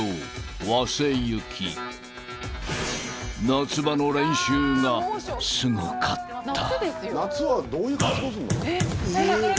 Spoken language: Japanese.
［夏場の練習がすごかった］